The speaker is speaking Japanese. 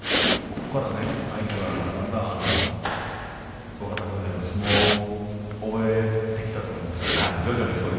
ここから、相手がだんだん若隆景の相撲を覚えてきたと思いますからね